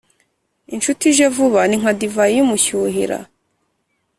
incuti ije vuba ni nka divayi y’umushyuhira: